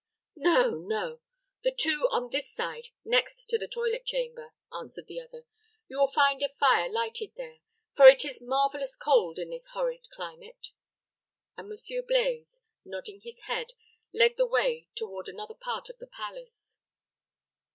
"No, no. The two on this side, next the toilet chamber," answered the other. "You will find a fire lighted there, for it is marvelous cold in this horrid climate;" and Monsieur Blaize, nodding his head, led the way toward another part of the palace.